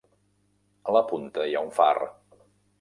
A la punta hi ha un far.